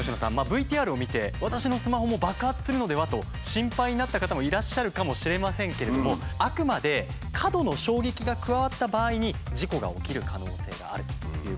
ＶＴＲを見て私のスマホも爆発するのでは？と心配になった方もいらっしゃるかもしれませんけれどもあくまで過度の衝撃が加わった場合に事故が起きる可能性があるということなんです。